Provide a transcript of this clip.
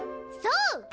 そう！